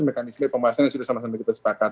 mekanisme pembahasan yang sudah sama sama kita sepakat